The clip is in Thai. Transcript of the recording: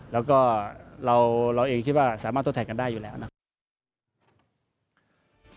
แล้วก็เราเองคิดว่าสามารถทดแทนกันได้อยู่แล้วนะครับ